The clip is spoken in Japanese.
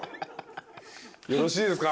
よろしいですか？